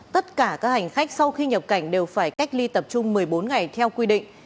tất cả các hành khách sau khi nhập cảnh đều phải cách ly tập trung một mươi bốn ngày theo quy định